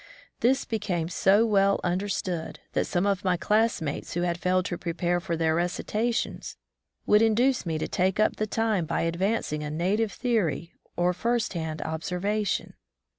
This became so well under stood, that some of my classmates who had 68 College Life in the East failed to prepare their recitations would induce me to take up the time by advancing a native theory or first hand observation.